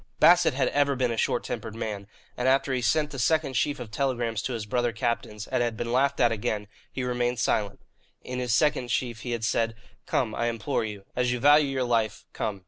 Bassett had ever been a short tempered man, and after he sent the second sheaf of telegrams to his brother captains, and had been laughed at again, he remained silent. In this second sheaf he had said: "Come, I implore you. As you value your life, come."